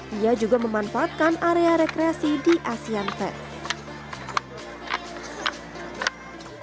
dia juga memanfaatkan area rekreasi di asian fest